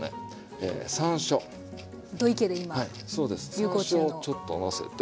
さんしょうをちょっと合わせて。